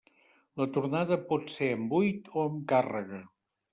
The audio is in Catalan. La tornada pot ser en buit o amb càrrega.